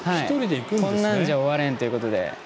こんなんじゃ終われんということで。